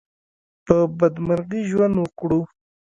په بدمرغي ژوند وکړو.